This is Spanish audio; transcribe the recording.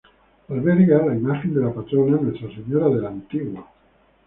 Alberga la imagen de la patrona, Nuestra Señora de la Antigua.